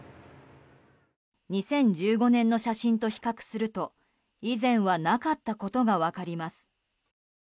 ２０１５年の写真と比較すると以前はなかったことが分かります。